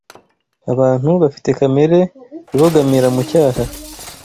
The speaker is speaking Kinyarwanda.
Abantu bafite kamere ibogamira mu cyaha